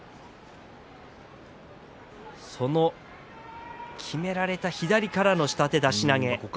そのきめられた左からの下手出し投げ。